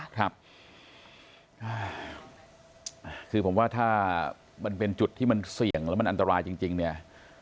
คือผมว่าถ้ามันเป็นจุดที่มันเสี่ยงแล้วมันอันตรายจริงเนี่ย